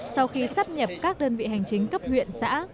sau khi sắp nhập các đơn vị hành chính cấp huyện xã